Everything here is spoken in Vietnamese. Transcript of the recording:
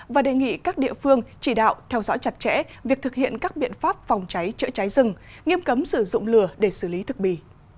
và đề nghị các địa phương chỉ đạo theo dõi chặt chẽ việc thực hiện các biện pháp phòng cháy chữa cháy rừng nghiêm cấm sử dụng lửa để xử lý thực bì